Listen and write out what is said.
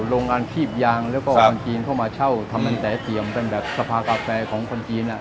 โรงงานทีบยางแล้วก็คนจีนเข้ามาเช่าอืมทำแบบสภาพกาแฟของคนจีนอ่ะ